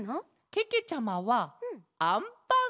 けけちゃまはあんパン。